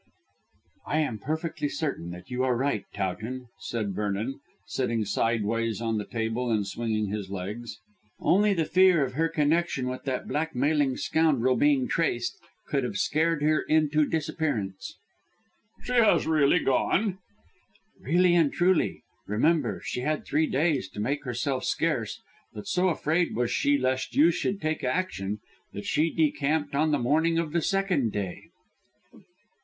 "I am perfectly certain that you are right, Towton," said Vernon, sitting sideways on the table and swinging his legs. "Only the fear of her connection with that blackmailing scoundrel being traced could have scared her into disappearance." "She has really gone?" "Really and truly. Remember, she had three days to make herself scarce, but so afraid was she lest you should take action that she decamped on the morning of the second day."